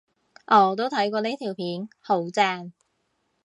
我都睇過呢條片，好正